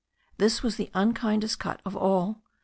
This was the unkindest cut of all.